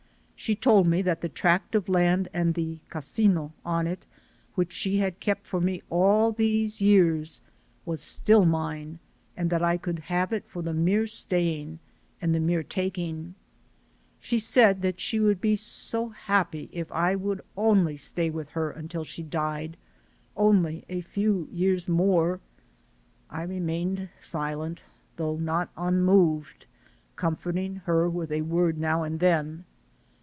She told me that the 312 THE SOUL OF AN IMMIGRANT tract of land and the "casino" on it, which she had kept for me all these years, was still mine and that I could have it for the mere staying and the mere taking. She said that she would be so happy if I would only stay with her until she died, "only a few years more." I remained silent, though not un moved, comforting her with a word now and then.